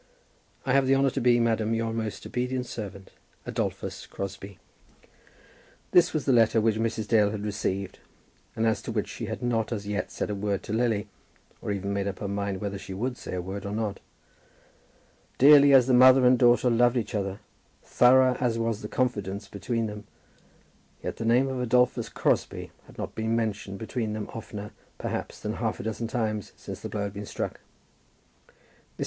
I have the honour to be, Madam, Your most obedient servant, ADOLPHUS CROSBIE. This was the letter which Mrs. Dale had received, and as to which she had not as yet said a word to Lily, or even made up her mind whether she would say a word or not. Dearly as the mother and daughter loved each other, thorough as was the confidence between them, yet the name of Adolphus Crosbie had not been mentioned between them oftener, perhaps, than half a dozen times since the blow had been struck. Mrs.